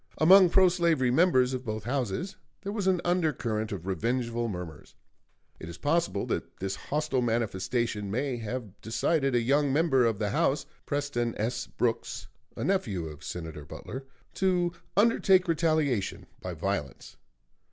Among pro slavery members of both Houses there was an under current of revengeful murmurs. It is possible that this hostile manifestation may have decided a young member of the House, Preston S. Brooks, a nephew of Senator Butler, to undertake retaliation by violence.